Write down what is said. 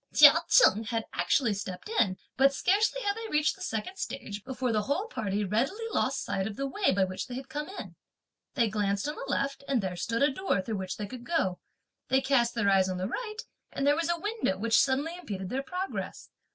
Chia Cheng had actually stepped in; but scarcely had they reached the second stage, before the whole party readily lost sight of the way by which they had come in. They glanced on the left, and there stood a door, through which they could go. They cast their eyes on the right, and there was a window which suddenly impeded their progress.